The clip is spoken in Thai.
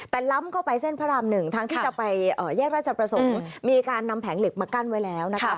แต่ล้ำเข้าไปเส้นพระรามหนึ่งทางที่จะไปแยกราชประสงค์มีการนำแผงเหล็กมากั้นไว้แล้วนะคะ